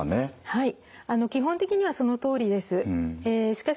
はい。